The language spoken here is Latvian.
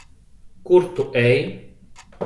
Kur tu ej?